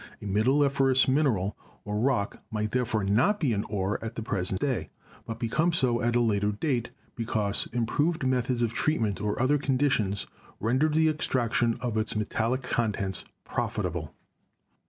A metalliferous mineral or rock might therefore not be an ore at the present day, but become so at a later date, because improved methods of treatment or other conditions rendered the extraction of its metallic contents profitable.